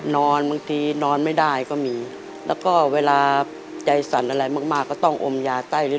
บางทีนอนไม่ได้ก็มีแล้วก็เวลาใจสั่นอะไรมากก็ต้องอมยาไต้ลิ้น